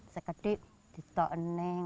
sekedip di betul betul ini